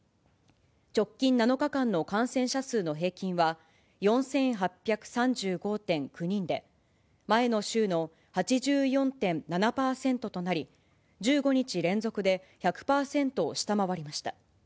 直近７日間の感染者数の平均は、４８３５．９人で、前の週の８４．７％となり、１５日連続で１００％を下回りました。